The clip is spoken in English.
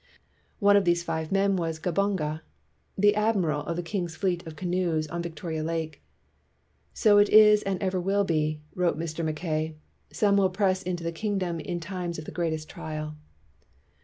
One of these five men was Gabunga, the admiral of the king's fleet of canoes on Victoria Lake. " So it is, and ever will be, '' wrote Mr. Mackay, "some will press into the kingdom in times of the greatest trial."